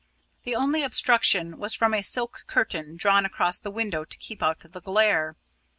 The only obstruction was from a silk curtain, drawn across the window to keep out the glare.